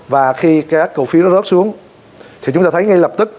và khi các cổ phiếu nó rớt xuống thì chúng ta thấy ngay lập tức